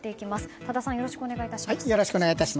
多田さん、よろしくお願いします。